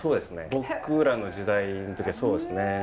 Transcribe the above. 僕らの時代の時はそうですね。